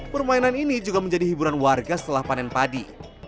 permainan ini juga menjadi hiburan warga setelah panen padi